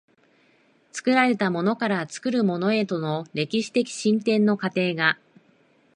作られたものから作るものへとの歴史的進展の過程が、